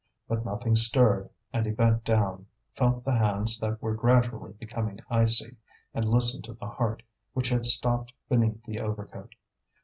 But nothing stirred, and he bent down, felt the hands that were gradually becoming icy, and listened to the heart, which had stopped beneath the overcoat.